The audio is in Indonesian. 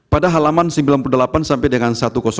pada halaman sembilan puluh delapan sampai dengan satu ratus dua